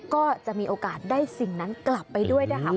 ก็จะมีโอกาสได้สิ่งนั้นกลับไปด้วยนะคะ